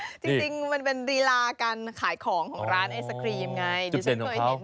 จริงมันเป็นรีลาการขายของของร้านไอศครีมไง